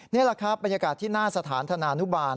นี่แหละครับบรรยากาศที่หน้าสถานธนานุบาล